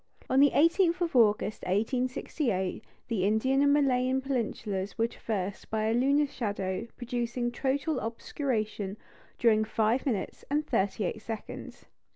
On the 18th of August, 1868, the Indian and Malayan peninsulas were traversed by a lunar shadow producing total obscuration during five minutes and thirty eight seconds.